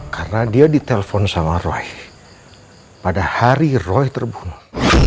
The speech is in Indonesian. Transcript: karena dia ditelepon sama roy pada hari roy terbunuh